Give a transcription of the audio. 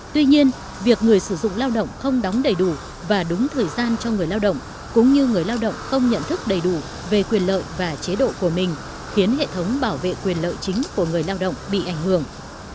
tuy nhiên việc người sử dụng lao động không đóng đầy đủ và đúng thời gian cho người lao động cũng như người lao động không nhận thức đầy đủ về quyền lợi và chế độ của mình khiến hệ thống bảo vệ quyền lợi chính của người lao động bị ảnh hưởng